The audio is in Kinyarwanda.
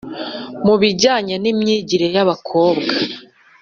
mu bijyanye n'imyigire y'abakobwa.